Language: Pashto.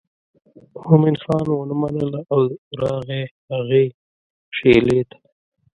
مومن خان ونه منله او راغی هغې شېلې ته.